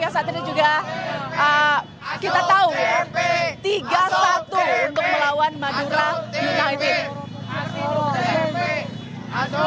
saat ini juga kita tahu ya tiga satu untuk melawan madura united